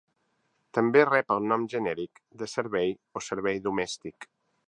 També rep el nom genèric de servei o servei domèstic.